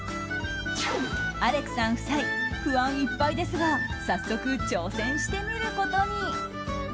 アレクさん夫妻不安いっぱいですが早速、挑戦してみることに。